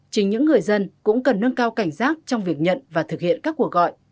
chính những người dân cũng cần nâng cao cảnh giác trong việc nhận và thực hiện các cuộc gọi